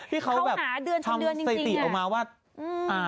พี่เขาทำไทยติดออกมาว่า